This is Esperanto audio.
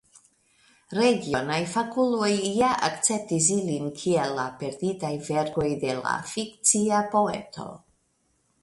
Regionaj fakuloj ja akceptis ilin kiel la perditaj verkoj de la fikcia poeto.